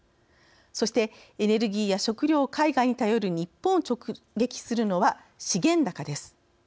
そして、エネルギーや食料を海外に頼る日本を直撃するのは資源高です。